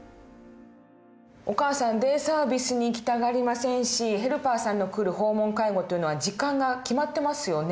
お母さんデイサービスに行きたがりませんしヘルパーさんの来る訪問介護というのは時間が決まってますよね。